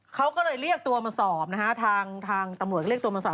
เขาก็เลยเรียกตัวมาสอบนะฮะทางตำรวจก็เรียกตัวมาสอบ